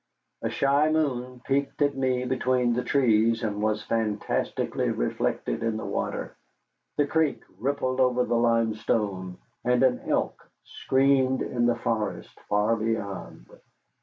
A shy moon peeped at me between the trees, and was fantastically reflected in the water. The creek rippled over the limestone, and an elk screamed in the forest far beyond.